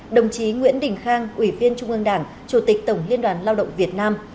đồng chí nguyễn đình khang ủy viên trung ương đảng chủ tịch tổng liên đoàn lao động việt nam